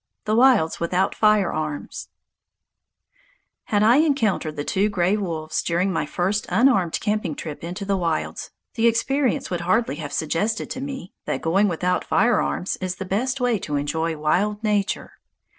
The Wilds without Firearms Had I encountered the two gray wolves during my first unarmed camping trip into the wilds, the experience would hardly have suggested to me that going without firearms is the best way to enjoy wild nature.